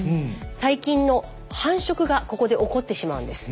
細菌の繁殖がここで起こってしまうんです。